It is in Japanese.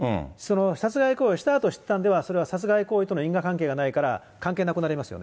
殺害行為をしたあと知ったんでは、それは殺害行為との因果関係がないから、関係なくなりますよね。